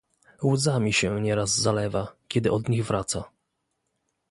"Łzami się nieraz zalewa, kiedy od nich wraca."